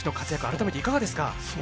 改めて、いかがですか？